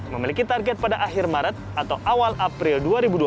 memiliki target pada akhir maret atau awal april dua ribu dua puluh